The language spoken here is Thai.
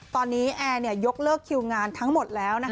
ตอนนี้แอร์ยกเลิกคิวงานทั้งหมดแล้ว